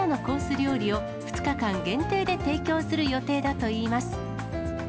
料理を２日間限定で提供する予定だといいます。